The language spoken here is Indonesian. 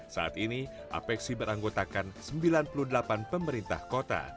saat ini apexi beranggotakan sembilan puluh delapan pemerintah kota